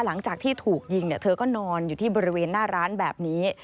หลังจากที่ถูกยิงเธอก็นอนอยู่ที่บริเวณหน้าร้านแบบนี้